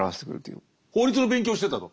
法律の勉強をしてたと。